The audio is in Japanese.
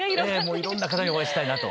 いろんな方にお会いしたいなと。